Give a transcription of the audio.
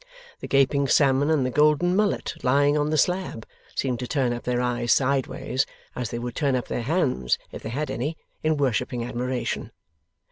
The gaping salmon and the golden mullet lying on the slab seem to turn up their eyes sideways, as they would turn up their hands if they had any, in worshipping admiration.